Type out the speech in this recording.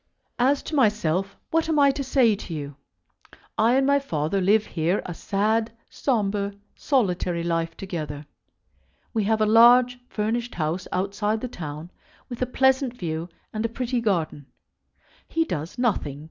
As to myself, what am I to say to you? I and my father live here a sad, sombre, solitary life, together. We have a large furnished house outside the town, with a pleasant view and a pretty garden. He does nothing.